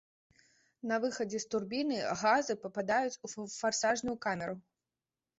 На выхадзе з турбіны газы пападаюць у фарсажную камеру.